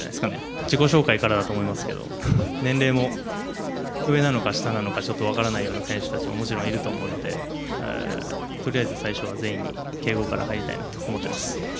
自己紹介からだと思いますけど、年齢も上なのか下なのか、ちょっと分からないような選手たちももちろんいると思うので、とりあえず最初は全員に敬語から入りたいなと思っています。